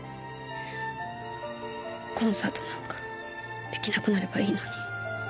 コンサートなんかできなくなればいいのに。